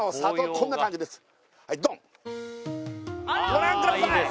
ご覧ください